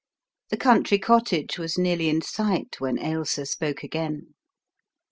The country cottage was nearly in sight when Ailsa spoke again.